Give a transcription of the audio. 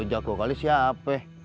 eh lo jak kok kali siap eh